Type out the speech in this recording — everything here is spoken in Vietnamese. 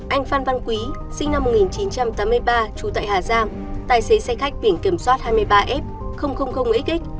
anh phan văn quý sinh năm một nghìn chín trăm tám mươi ba trú tại hà giang tài xế xe khách biển kiểm soát hai mươi ba f x